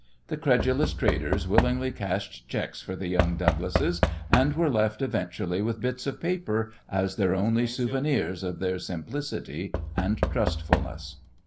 The credulous traders willingly cashed cheques for the young Douglases, and were left eventually with bits of paper as their only souvenirs of their simplicity and trustfulness.